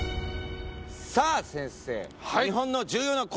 さあ先生。